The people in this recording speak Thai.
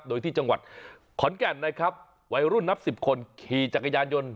โดยที่จังหวัดขอนแก่นนะครับวัยรุ่นนับสิบคนขี่จักรยานยนต์